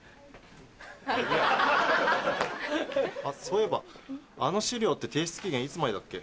そういえばあの資料って提出期限いつまでだっけ？